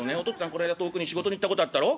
この間遠くに仕事に行ったことあったろ？」。